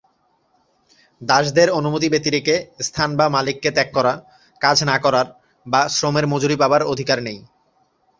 দাসদের অনুমতি ব্যতিরেকে স্থান বা মালিককে ত্যাগ করা, কাজ না করার, বা শ্রমের মজুরি পাবার অধিকার নেই।